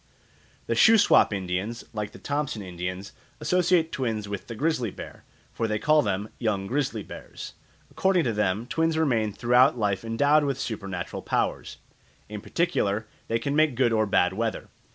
The Shuswap Indians, like the Thompson Indians, associate twins with the grizzly bear, for they call them "young grizzly bears." According to them, twins remain throughout life endowed with supernatural powers. In particular they can make good or bad weather.